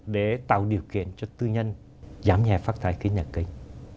để tạo điều kiện cho tư nhân giảm nhẹ phát thai nhà kính